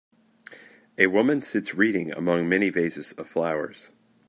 A woman sits reading among many vases of flowers.